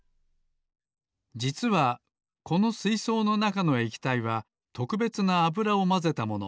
じつはこのすいそうのなかのえきたいはとくべつなあぶらをまぜたもの。